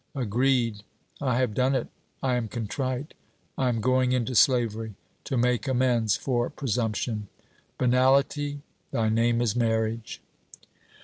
Agreed: I have done it; I am contrite. I am going into slavery to make amends for presumption. Banality, thy name is marriage!'